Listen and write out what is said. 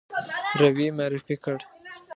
روی معرفي کړ.